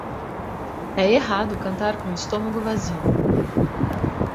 É errado cantar com o estômago vazio.